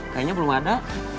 kayaknya belum ada